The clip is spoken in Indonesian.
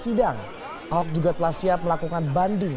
dan di sidang ahok juga telah siap melakukan banding